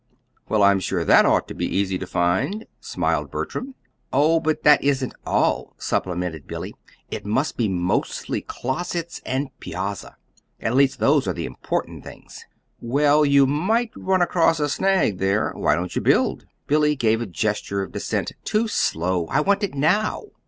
"Well, I'm sure that ought to be easy to find," smiled Bertram. "Oh, but that isn't all," supplemented Billy. "It must be mostly closets and piazza. At least, those are the important things." "Well, you might run across a snag there. Why don't you build?" Billy gave a gesture of dissent. "Too slow. I want it now."